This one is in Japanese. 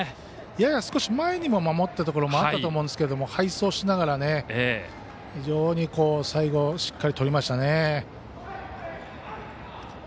やや少し前にも守ったところもあったと思うんですが背走しながら非常に最後しっかりとりましたね。